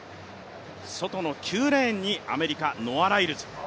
外の９レーンにアメリカ、ノア・ライルズ。